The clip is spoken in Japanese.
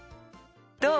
どう？